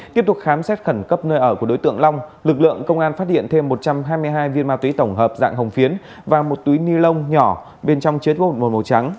tiếp tục khám xét khẩn cấp nơi ở của đối tượng long lực lượng công an phát hiện thêm một trăm hai mươi hai viên ma túy tổng hợp dạng hồng phiến và một túi ni lông nhỏ bên trong chết gột màu trắng